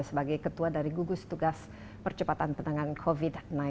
sebagai ketua dari gugus tugas percepatan penanganan covid sembilan belas